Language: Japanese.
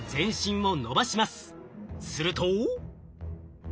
すると。